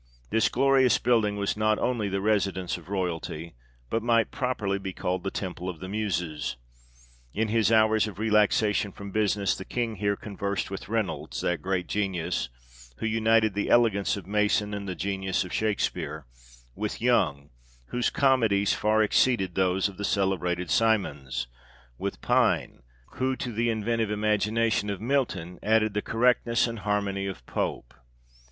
This glorious building was not only the residence of royalty, but might properly be called the Temple of the Muses. In his hours of relaxation from business the King here conversed with Reynolds, that great genius, who united the elegance of Mason and the genius of Shakespeare : with Young, whose comedies far exceeded those of the celebrated Symonds : with Pine, who, to the inventive imagination of Milton, added the correct ness and harmony of Pope.